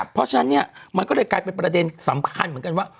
เพราะฉะนั้นเนี่ยมันก็เลยกลายเป็นประเด็นสำคัญเหมือนกันว่า